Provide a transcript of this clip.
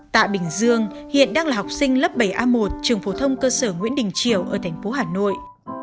tại bình dương hiện đang là học sinh lớp bảy a một trường phổ thông cơ sở nguyễn đình triều ở thành phố hà nội